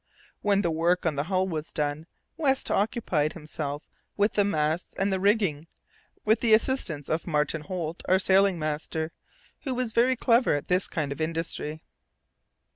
When the work on the hull was done, West occupied himself with the masts and the rigging, with the assistance of Martin Holt, our sailing master, who was very clever at this kind of industry.